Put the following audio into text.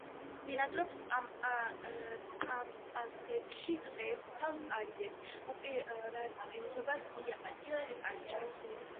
ბინადრობს პამპასებში, ტყეებს თავს არიდებს, უპირატესობას ღია ადგილებს ანიჭებს.